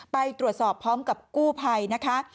ไปตรวจสอบพร้อมกับกู้ภัยนะคะ